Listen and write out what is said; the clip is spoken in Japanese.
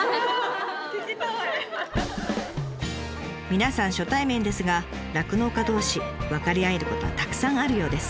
皆さん初対面ですが酪農家同士分かり合えることはたくさんあるようです。